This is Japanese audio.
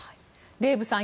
デーブさん